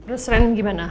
terus rena gimana